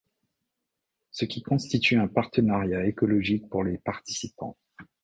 Ce qui constitue un partenariat écologique pour les participants.